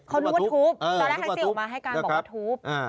เขานึกว่าทุบตอนแรกแท็กซี่ออกมาให้การบอกว่าทุบ